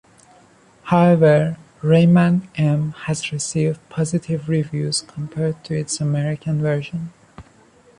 However "Rayman M" has received positive reviews compared to its American version.